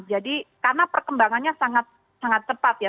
jadi karena perkembangannya sangat tepat ya